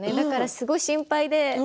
すごい心配で。